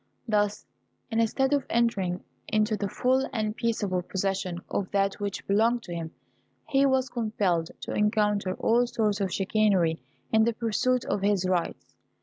Thus, instead of entering into the full and peaceable possession of that which belonged to him, he was compelled to encounter all sorts of chicanery in the pursuit of his rights.